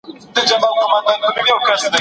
پوهاند د ټولنيزې زده کړې علم بیانوي.